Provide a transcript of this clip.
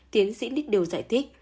tiến sĩ niddle giải thích